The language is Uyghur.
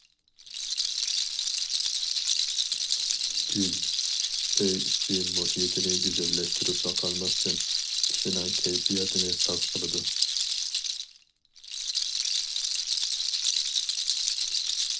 گۈل ئۆي ئىچى مۇھىتىنى گۈزەللەشتۈرۈپلا قالماستىن، كىشىنىڭ كەيپىياتىنى ساز قىلىدۇ.